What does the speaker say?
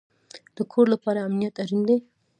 د کور لپاره امنیت اړین دی